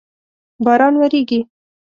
باران وریږی